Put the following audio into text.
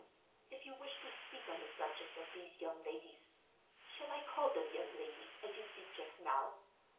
If you wish to speak on the subject of these young ladies—shall I call them young ladies, as you did just now?